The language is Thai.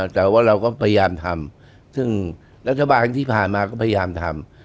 แต่ว่าเราก็พยายามทำซึ่งรัฐบาลที่ผ่านมาก็พยายามทำ